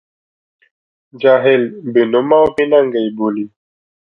جاهل، بې نوم او بې ننګه یې بولي.